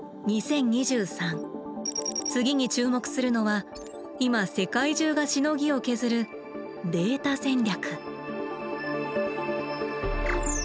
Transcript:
次に注目するのは今世界中がしのぎを削る「データ戦略」。